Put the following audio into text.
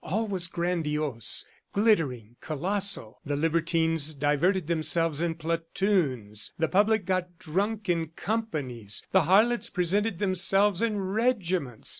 All was grandiose, glittering, colossal. The libertines diverted themselves in platoons, the public got drunk in companies, the harlots presented themselves in regiments.